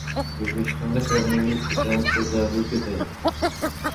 O‘zbekistonda koronavirusga chalinish sezilarli ko‘paydi